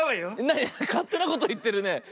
なになにかってなこといってるね。